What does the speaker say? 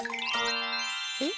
えっ？